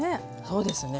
そうですね。